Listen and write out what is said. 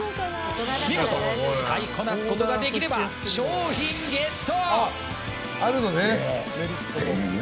見事使いこなすことができれば商品ゲット！